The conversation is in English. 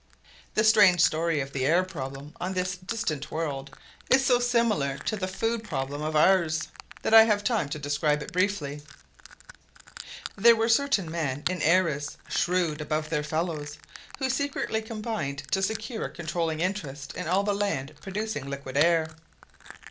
The strange story of the air problem on this distant world is so similar to the food problem of ours that I have time to describe it briefly. There were certain men in Airess, shrewd above their fellows, who secretly combined to secure a controlling interest in all the land producing liquid air.